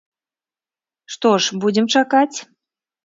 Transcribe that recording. Што ж, будзем чакаць.